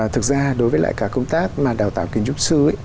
thực ra đối với lại cả công tác mà đào tạo kiến trúc sư ấy